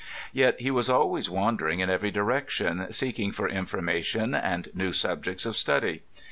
Yet he was always wandering in every direction, seeking for information and new subjects of study.